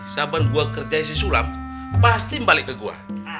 sabar gue kerjanya isi sulam pasti balik ke gue